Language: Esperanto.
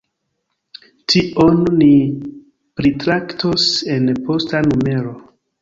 Tion ni pritraktos en posta numero.